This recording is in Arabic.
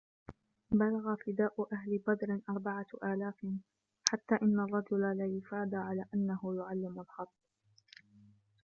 بَلَغَ فِدَاءُ أَهْلِ بَدْرٍ أَرْبَعَةُ آلَافٍ حَتَّى إنَّ الرَّجُلَ لِيُفَادَى عَلَى أَنَّهُ يُعَلِّمُ الْخَطَّ